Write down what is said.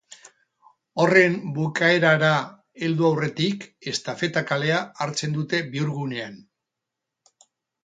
Horren bukaerara heldu aurretik, Estafeta kalea hartzen dute bihurgunean.